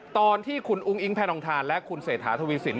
ตอนที่คุณอุ้งอิงแพทองทานและคุณเศรษฐาทวีสิน